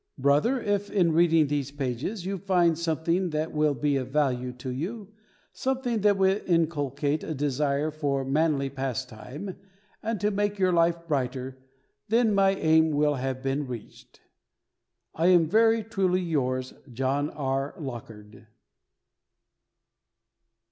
Brother, if in reading these pages you find something that will be of value to you, something that will inculcate a desire for manly pastime and make your life brighter, then my aim will have been reached. I am very truly yours, JOHN R LOCKARD.